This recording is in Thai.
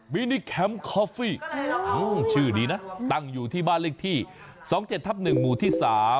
มินิแคมป์คอฟฟี่ชื่อดีนะตั้งอยู่ที่บ้านเลขที่๒๗ทับ๑หมู่ที่๓